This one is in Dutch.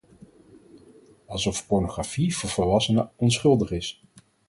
Alsof pornografie voor volwassenen onschuldig is.